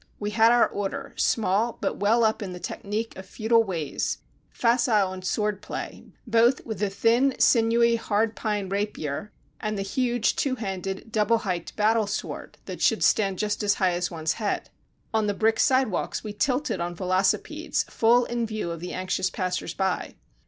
We had our Order, small, but well up in the technique of feudal ways, facile in sword play, both with the thin, sinewy hard pine rapier, and the huge, two handed, double hiked battle sword that should stand just as high as one's head. On the brick sidewalks we tilted on velocipedes, full in the view of the anxious passers by.